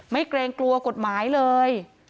ไม่เกรงกลัวกลัวกฎหมายเลย